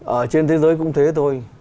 ở trên thế giới cũng thế thôi